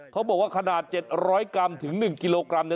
เขาบอกว่าขนาด๗๐๐กรัมถึง๑กิโลกรัม